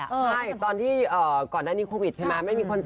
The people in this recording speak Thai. อ่าใช่ตอนที่อ่าก่อนหน้านี้โควิดใช่ไหมไม่มีเมื่อคอร์นเสิร์ฟ